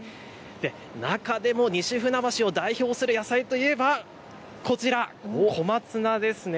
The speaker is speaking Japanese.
中でも西船橋を代表する野菜と言えばこちら、小松菜です。